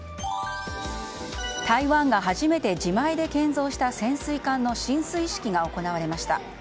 台湾が初めて自前で建造した潜水艦の進水式が行われました。